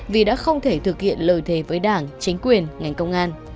vì đã không thể thực hiện lời thề với đảng chính quyền ngành công an